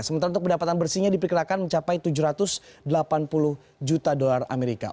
sementara untuk pendapatan bersihnya diperkirakan mencapai tujuh ratus delapan puluh juta dolar amerika